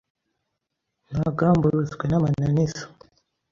ntagamburuzwe n’amananiza.